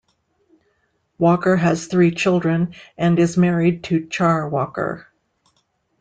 Walker has three children and is married to Char Walker.